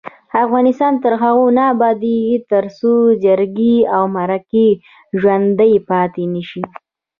افغانستان تر هغو نه ابادیږي، ترڅو جرګې او مرکې ژوڼدۍ پاتې نشي.